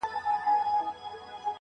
• زړه مي در سوځي چي ته هر گړی بدحاله یې.